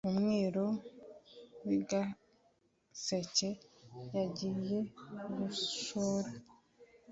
umwíru w 'i gaséke yagiiye gushora